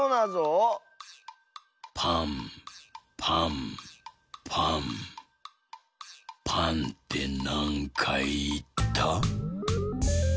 パンパンパンパンってなんかいいった？